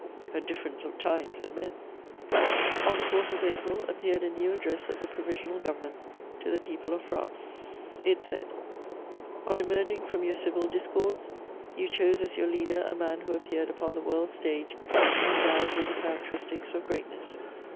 A difference of times and men! [Sidenote: Its first acts.] On the 4th of April, appeared a new address of the Provisional Government to the People of France; it said: "On emerging from your civil discords, you chose as your leader a man who appeared upon the world's stage endowed with the characteristics of greatness.